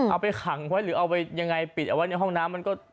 เอาไปขังไว้หรือเอาไปยังไงปิดเอาไว้ในห้องน้ำมันก็